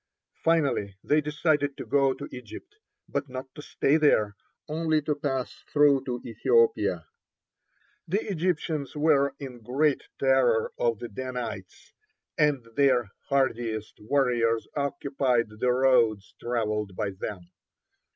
Finally they decided to go to Egypt, but not to stay there, only to pass through to Ethiopia. The Egyptians were in great terror of the Danites, and their hardiest warriors occupied the roads travelled by them.